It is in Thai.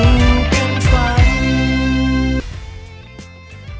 อย่าลืมเล่าสู่กันฟัง